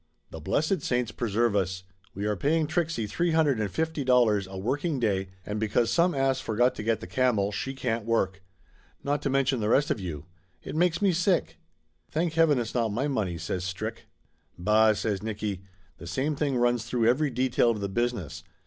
The blessed saints preserve us ! We are paying Trixie three hundred and fifty dollars a working day, and be cause some ass forgot to get the camel she can't work ! Not to mention the rest of you. It makes me sick !" "Thank heaven it's not my money !" says Strick. "Bah !" says Nicky. "The same thing runs through every detail of the business.